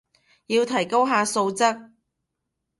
要提高下質素